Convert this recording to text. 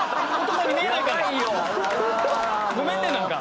ごめんねなんか。